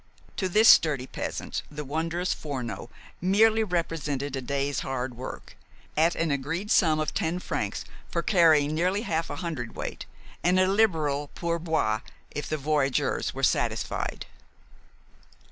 To this sturdy peasant the wondrous Forno merely represented a day's hard work, at an agreed sum of ten francs for carrying nearly half a hundredweight, and a liberal pour boire if the voyageurs were satisfied.